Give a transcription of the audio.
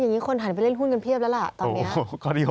อย่างนี้คนหันไปเล่นหุ้นกันเพียบแล้วล่ะตอนนี้